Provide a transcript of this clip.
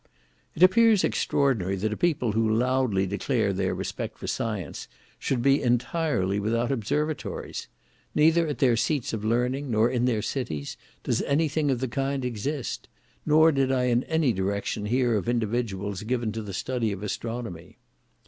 It appears extraordinary that a people who loudly declare their respect for science, should be entirely without observatories. Neither at their seats of learning, nor in their cities, does any thing of the kind exist; nor did I in any direction hear of individuals, given to the study of astronomy.